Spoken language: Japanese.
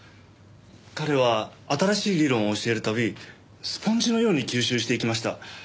彼は新しい理論を教えるたびスポンジのように吸収していきました。